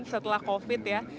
setelah covid ya